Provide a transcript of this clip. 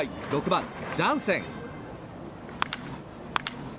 ６番、ジャンセン。